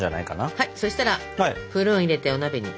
はいそしたらプルーン入れてお鍋に。